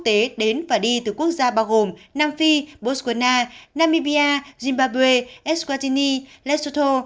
tế đến và đi từ quốc gia bao gồm nam phi botswana namibia zimbabwe eswatini lesotho